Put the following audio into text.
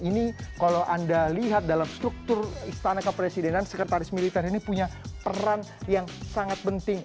ini kalau anda lihat dalam struktur istana kepresidenan sekretaris militer ini punya peran yang sangat penting